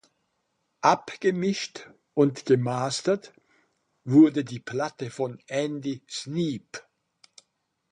Abgemischt und gemastert wurde die Platte von Andy Sneap.